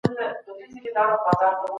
هر فرد حق لري چي خپل ملکيت ولري.